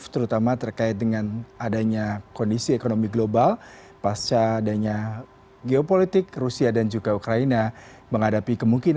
terurahan crew black maze engkau